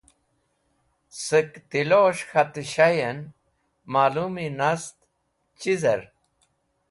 Sẽk tilos̃h k̃hatẽ shayẽn malũmi nast chizẽr?